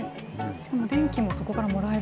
しかも電気もそこからもらえる。